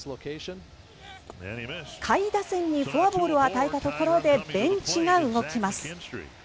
下位打線にフォアボールを与えたところでベンチが動きます。